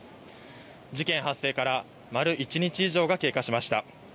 事件発生から丸１日以上が経過しました。